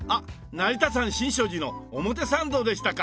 成田山新勝寺の表参道でしたか。